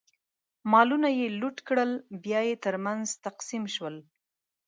مالونه یې لوټ کړل، بیا یې ترمنځ تقسیم شول.